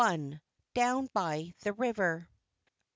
DOWN BY THE RIVER.